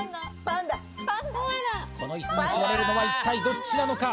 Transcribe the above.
このイスに座れるのは一体どっちなのか？